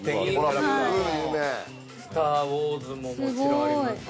『スター・ウォーズ』ももちろんありますし。